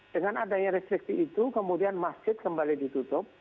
dengan adanya restriksi itu kemudian masjid kembali ditutup